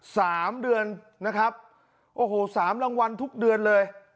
สามเดือนนะครับโอ้โหสามรางวัลทุกเดือนเลย